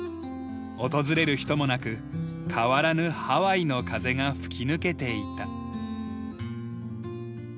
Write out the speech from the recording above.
訪れる人もなく変わらぬハワイの風が吹き抜けていた。